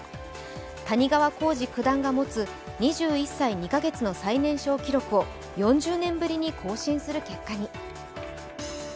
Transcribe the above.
谷川浩司九段が持つ２１歳２か月の最年少記録を４０年ぶりに更新する結果に。